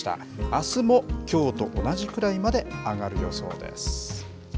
あすもきょうと同じくらいまで上がる予想です。